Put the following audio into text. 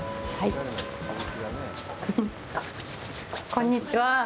こんにちは。